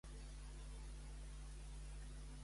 De què acusa el bander al portador de l'escopeta?